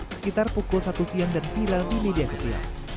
sekitar pukul satu siang dan viral di media sosial